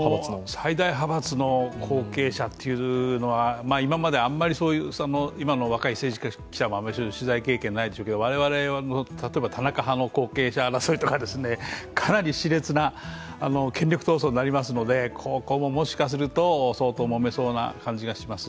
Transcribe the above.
最大派閥の後継者というのは、今の若い政治記者も取材経験がないときは我々は例えば田中派の後継者争いとかかなりしれつな権力闘争になりますのでここも相当もめそうな感じがします。